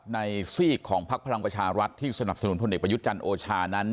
ซีกของพักพลังประชารัฐที่สนับสนุนพลเอกประยุทธ์จันทร์โอชานั้น